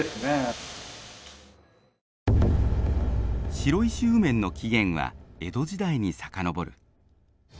白石温麺の起源は江戸時代に遡る。